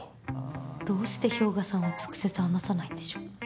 どうして氷河さんは直接話さないんでしょう？